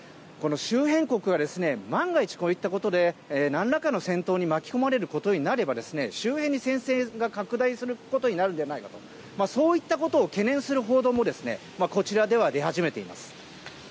周辺国が万が一こういったことで何らかの戦闘に巻き込まれることになれば周辺に戦線が拡大することになるのではないかとそういったことを懸念する報道もこちらでは出始めています。